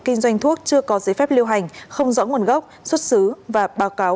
kinh doanh thuốc chưa có giấy phép lưu hành không rõ nguồn gốc xuất xứ và báo cáo